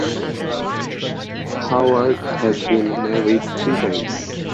Howard has been married three times.